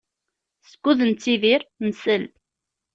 Skud nettidir, nsell.